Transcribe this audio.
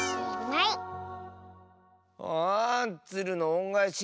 あ「つるのおんがえし」